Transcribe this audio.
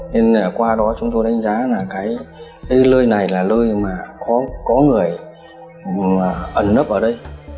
nên qua đó chúng tôi đánh giá là lơi này là lơi có người ẩn nấp ở đây